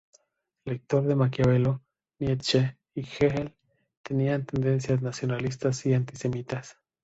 Lector de Maquiavelo, Nietzsche y Hegel, tenía tendencias nacionalistas y antisemitas.